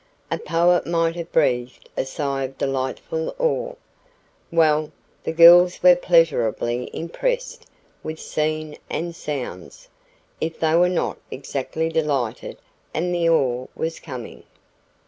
A poet might have breathed a sigh of delightful awe. Well, the girls were pleasureably impressed with scene and the sounds, if they were not exactly delighted, and the awe was coming.